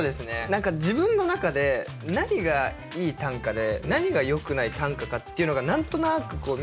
何か自分の中で何がいい短歌で何がよくない短歌かっていうのが何となく見えてくるようになって。